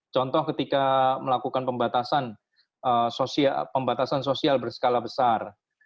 contoh ketika melakukan pembatasan sosial berskala besar